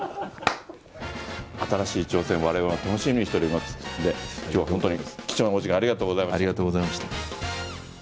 新しい挑戦をわれわれは楽しみにしておりますので、きょうは本当に、貴重なお時間ありがとうありがとうございました。